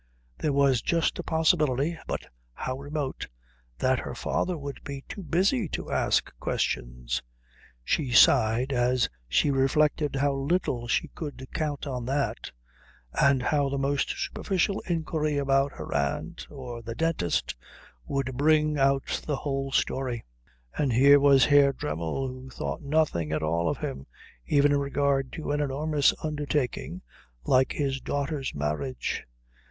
There was just a possibility but how remote that her father would be too busy to ask questions; she sighed as she reflected how little she could count on that, and how the most superficial inquiry about her aunt or the dentist would bring out the whole story. And here was Herr Dremmel who thought nothing at all of him, even in regard to an enormous undertaking like his daughter's marriage.